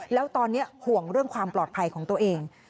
แล้วตอนนี้ห่วงเรื่องความปลอดภัยของตัวเอง